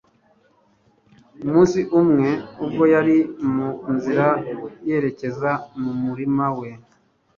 umunsi umwe, ubwo yari mu nzira yerekeza mu murima we